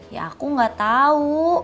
ya aku nggak tahu